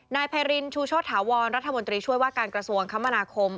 นายไพรินชูโชธาวรรัฐมนตรีช่วยว่าการกระทรวงคมนาคม